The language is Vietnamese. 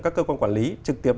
các cơ quan quản lý trực tiếp